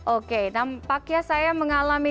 oke nampaknya saya mengalami